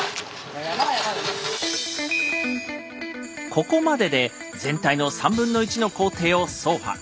ここまでで全体の３分の１の行程を走破。